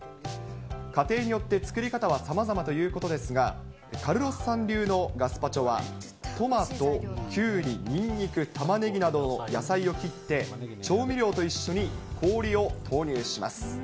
家庭によって作り方はさまざまということですが、カルロスさん流のガスパチョは、トマト、きゅうり、にんにく、タマネギなどの野菜を切って、調味料と一緒に氷を投入します。